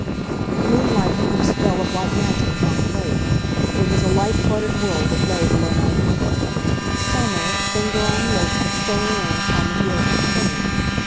The moonlight had put a spell of white magic upon the lake. It was a light flooded world that lay below my window. Summer, finger on lip, had stolen in upon the heels of spring.